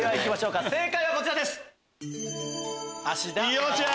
正解はこちらです。